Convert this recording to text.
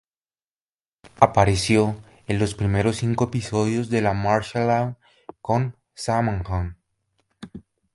Apareció en los primeros cinco episodios de la "Martial Law" con Sammo Hung.